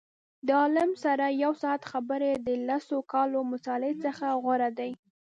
د عالم سره یو ساعت خبرې د لسو کالو مطالعې څخه غوره دي.